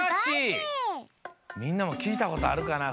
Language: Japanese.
みんなも聞いたことあるかな？